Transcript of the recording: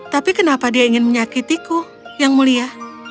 tapi kenapa dia ingin menyakitiku yang mulia